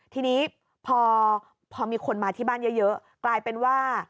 ทีนี้พอมีคนมาที่บ้านเยอะกลายเป็นว่า